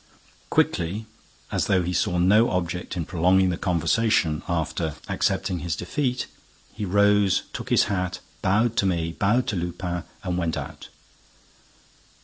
Quickly, as though he saw no object in prolonging the conversation after accepting his defeat, he rose, took his hat, bowed to me, bowed to Lupin and went out.